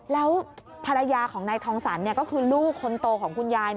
แล้วภรรยาของนายทองสรรก็คือลูกคนโตของคุณยาย